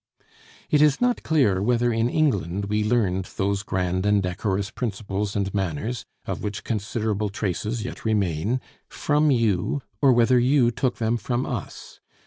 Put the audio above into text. It is not clear whether in England we learned those grand and decorous principles and manners, of which considerable traces yet remain, from you, or whether you took them from us.